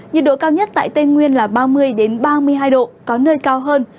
nhiệt độ cao nhất tại tây nguyên là ba mươi ba mươi hai độ có nơi cao hơn